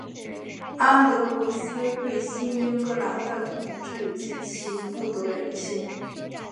安德罗斯对新英格兰的统治极其不得人心。